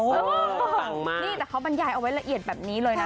นี่แต่เขาบรรยายเอาไว้ละเอียดแบบนี้เลยนะ